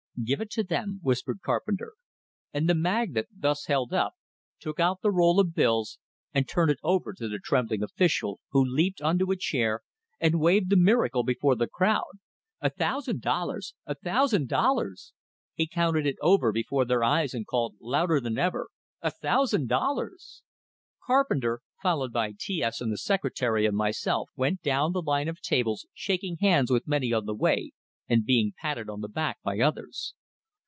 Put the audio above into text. "Give it to them," whispered Carpenter; and the magnate, thus held up, took out the roll of bills, and turned it over to the trembling official, who leaped onto a chair and waved the miracle before the crowd. "A thousand dollars! A thousand dollars!" He counted it over before their eyes and called, louder than ever, "A thousand dollars!" Carpenter, followed by T S and the secretary and myself, went down the line of tables, shaking hands with many on the way, and being patted on the back by others.